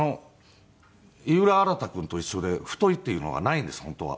井浦新君と一緒で「太い」っていうのがないんです本当は。